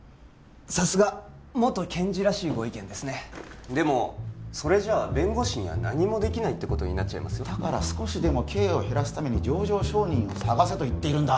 さすが元検事らしいご意見ですねでもそれじゃ弁護士には何もできないってことになりますだから少しでも刑を減らすために情状証人を探せと言ってるんだ